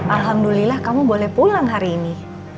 alhamdulillah kamu boleh pulang hari ini